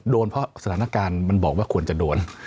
เพราะสถานการณ์มันบอกว่าควรจะโดน